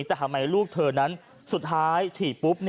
แต่ทำไมลูกเธอนั้นสุดท้ายฉีดปุ๊บ